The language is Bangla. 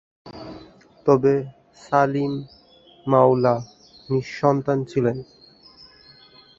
তবে সালিম মাওলা নিঃসন্তান ছিলেন।